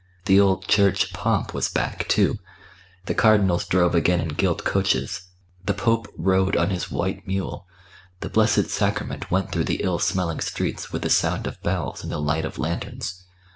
The old Church pomp was back, too; the cardinals drove again in gilt coaches; the Pope rode on his white mule; the Blessed Sacrament went through the ill smelling streets with the sound of bells and the light of lanterns.